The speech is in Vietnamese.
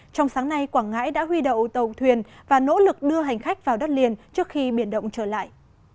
trong sáng nay quảng ngãi đã huy đậu tàu thuyền và nỗ lực đưa hành khách vào đất liền trước khi biển động trở lại